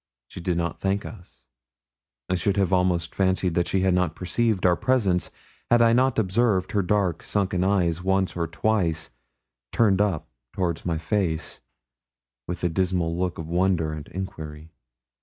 She did not thank us. I should almost have fancied that she had not perceived our presence, had I not observed her dark, sunken eyes once or twice turned up towards my face, with a dismal look of wonder and enquiry.